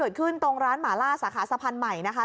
เกิดขึ้นตรงร้านหมาล่าสาขาสะพันธ์ใหม่นะคะ